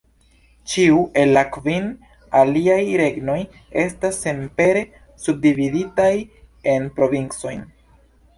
Ĉiu el la kvin aliaj regnoj estas senpere subdividitaj en provincojn.